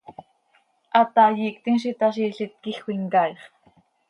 Hataai iictim z itaazi, ilít quij cöimcaaix.